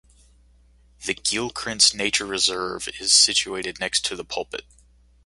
The Geelkrants Nature Reserve is situated next to the "Pulpit".